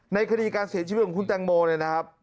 ในคดีการเสียชีวิตของคุณแตงโมเนี่ยนะครับ